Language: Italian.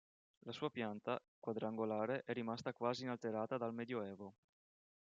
La sua pianta, quadrangolare, è rimasta quasi inalterata dal medioevo.